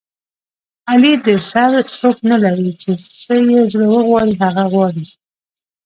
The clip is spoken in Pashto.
علي د سر څوک نه لري چې څه یې زړه و غواړي هغه غواړي.